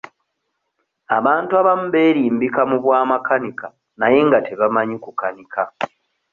Abantu abamu beerimbika mu bwa makanika naye nga tebamanyi kukanika.